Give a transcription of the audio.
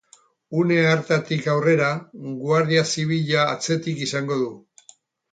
Une hartatik aurrera, Guardia Zibila atzetik izango du.